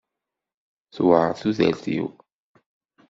Tewɛeṛ tudert-iw.